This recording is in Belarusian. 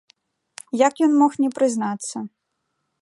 Як ён мог не прызнацца?!